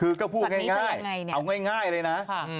เอาง่ายเลยนะ